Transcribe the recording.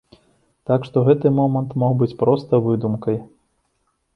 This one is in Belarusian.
Так што гэты момант мог быць проста выдумкай.